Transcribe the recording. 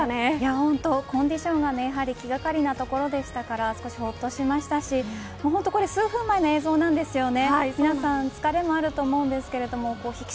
本当、コンディションが気掛かりなところでしたから少しほっとしましたしこれ数分前の映像なんですよね。